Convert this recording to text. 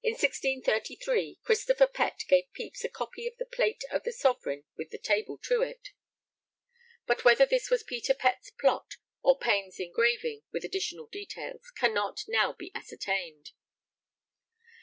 In 1663 Christopher Pett gave Pepys a copy of the 'plate of the Soverayne with the table to it,' but whether this was Peter Pett's 'plot' or Payne's engraving with additional details cannot now be ascertained.